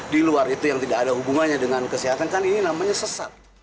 di luar itu yang tidak ada hubungannya dengan kesehatan kan ini namanya sesat